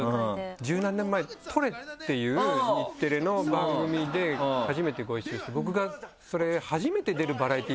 十何年前『ＴＯＲＥ！』っていう日テレの番組で初めてご一緒して僕がそれ。